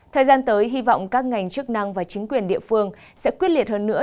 thời gian tới hy vọng các ngành chức năng và chính quyền địa phương sẽ quyết liệt hơn nữa